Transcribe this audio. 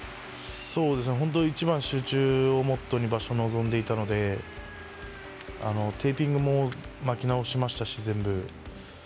本当一番集中をモットーに場所に臨んでいたので、テーピングも巻き直しましたし、全部。